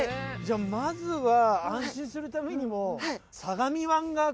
じゃあまずは安心するためにも。